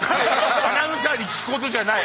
アナウンサーに聞くことじゃない。